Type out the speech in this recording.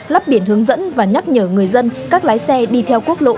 lắp biển hướng dẫn và nhắc nhở người dân các lái xe đi theo quốc lộ ba mươi hai